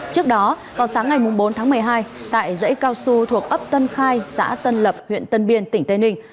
trước đó vào sáng ngày bốn tháng một mươi hai tại dãy cao su thuộc ấp tân khai xã tân lập huyện tân biên tỉnh tây ninh